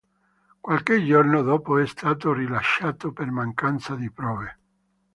Qualche giorno dopo è stato rilasciato per mancanza di prove.